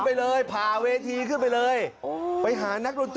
ใครอ่ะพี่เบิร์ตพี่รู้จักดอมไม่รู้จักหรอก